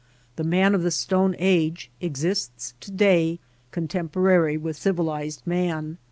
The man of the Stone Age exists to day contemporary with civilized man.